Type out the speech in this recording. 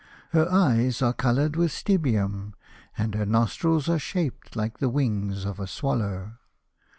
Her eyes are coloured with stibium, and her nostrils are shaped like the wings of a swallow.